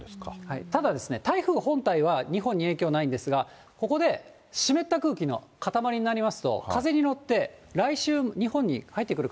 ただ、台風本体は、日本に影響ないんですが、ここで湿った空気の塊になりますと、風に乗って、来週、雨雲が。